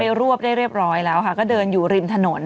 ได้รวบเรียบร้อยแล้วก็เดินอยู่ริมถนน